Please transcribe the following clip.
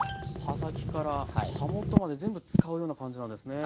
刃先から刃元まで全部使うような感じなんですね。